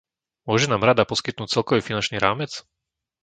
Môže nám Rada poskytnúť celkový finančný rámec?